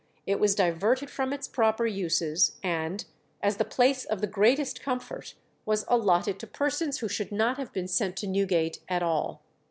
It was diverted from its proper uses, and, as the "place of the greatest comfort," was allotted to persons who should not have been sent to Newgate at all.